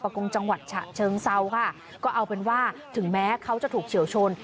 กงจังหวัดฉะเชิงเซาค่ะก็เอาเป็นว่าถึงแม้เขาจะถูกเฉียวชน